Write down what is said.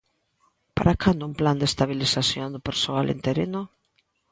¿Para cando un plan de estabilización do persoal interino?